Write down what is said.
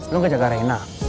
lu gak jaga reina